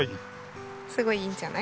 すごいいいんじゃない？